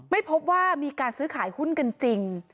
ไม่พบว่ามีการซื้อขายหุ้นกันจริง